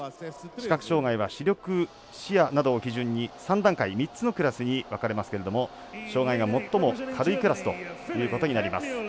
視覚障がいは視力、視野などを基準に３段階、３つのクラスに分かれますけれども障がいが最も軽いクラスということになります。